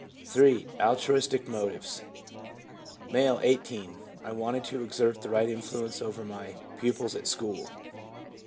3. Altruistic motives. — M., 18. ' I wanted to exert the right influence over my pupils at school.'